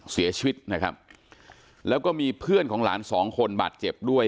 เสียชีวิตนะครับแล้วก็มีเพื่อนของหลานสองคนบาดเจ็บด้วย